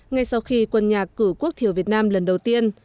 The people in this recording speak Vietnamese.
ngay sau khi quân nhạc cử quốc thiểu việt nam lần đầu tiên